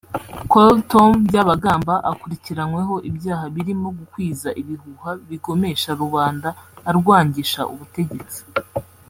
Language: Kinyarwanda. Col Tom Byabagamba akurikiranyweho ibyaha birimo gukwiza ibihuha bigomesha rubanda arwangisha ubutegetsi